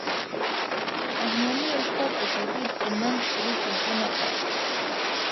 رحماني استاد د ګاډۍ د منځ ګروپ روښانه کړ.